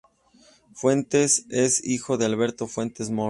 Fuentes es el hijo de Alberto Fuentes Mohr.